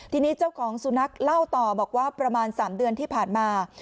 ทีนี้เจ้าของสุนัขเล่าต่อบอกว่าประมาณ๓เดือนที่ผ่านมา